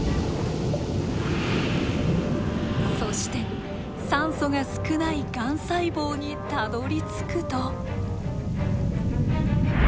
そして酸素が少ないがん細胞にたどりつくと。